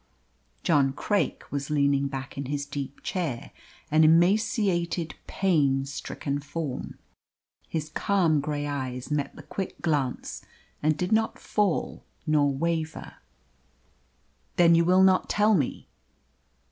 John Craik was leaning back in his deep chair an emaciated, pain stricken form. His calm grey eyes met the quick glance, and did not fall nor waver. "Then you will not tell me?"